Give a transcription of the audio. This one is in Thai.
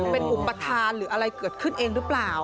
เป็นอุปทานหรืออะไรเกิดขึ้นเองหรือเปล่า